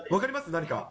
何か。